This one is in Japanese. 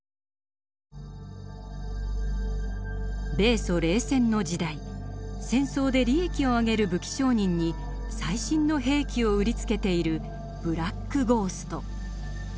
米ソ冷戦の時代戦争で利益をあげる武器商人に最新の兵器を売りつけているブラック・ゴースト。